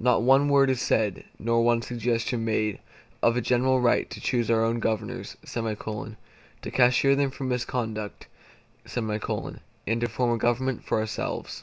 Not one word is said, nor one suggestion made, of a general right to choose our own governors; to cashier them for misconduct; and to form a government for ourselves.